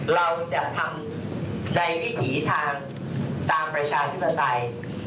เราจะทำในวิถีทางตามประชาธิปไตย